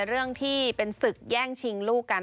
เรื่องที่เป็นศึกแย่งชิงลูกกัน